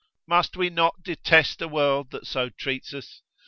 Must we not detest a world that so treats us?